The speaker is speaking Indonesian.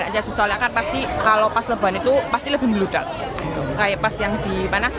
jika diperkirakan uang baru maka pasti lebaran akan lebih mudah